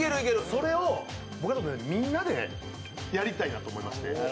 それをみんなでやりたいなと思いまして。